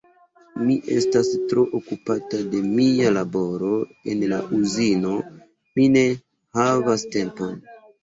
Mi estas tro okupata de mia laboro en la Uzino, mi ne havas tempon...